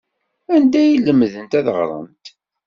Anda ay lemdent ad ɣrent?